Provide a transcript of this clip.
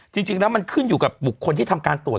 จริงแล้วมันขึ้นอยู่กับบุคคลที่ทำการตรวจ